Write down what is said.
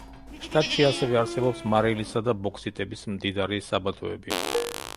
შტატში ასევე არსებობს მარილის და ბოქსიტების მდიდარი საბადოები.